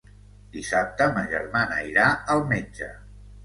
Dissabte ma germana irà al metge.